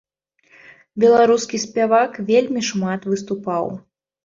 Беларускі спявак вельмі шмат выступаў.